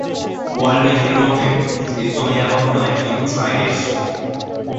World ব্যাংকের মতে Estonia বর্তমানে একটি উচ্চ-আয় দেশ।